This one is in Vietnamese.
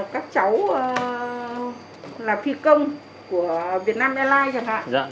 các cháu làm phi công của việt nam airlines chẳng hạn